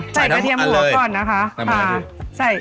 กระเทียมหัวก่อนนะคะ